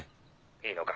いいのか？